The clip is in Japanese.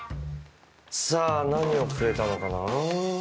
さぁ何をくれたのかなぁ？